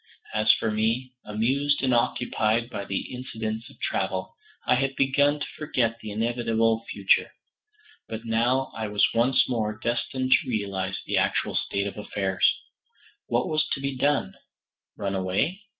As for me, amused and occupied by the incidents of travel, I had begun to forget the inevitable future; but now I was once more destined to realize the actual state of affairs. What was to be done? Run away?